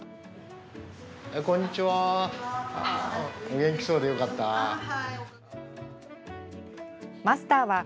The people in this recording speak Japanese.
こんにちは。